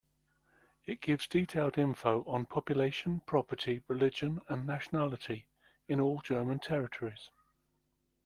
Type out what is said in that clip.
It gives detailed info on population, property, religion and nationality in all German territories.